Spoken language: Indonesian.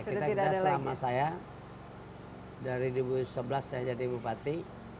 kita bisa selama saya dari dua ribu sebelas saya jadi bupati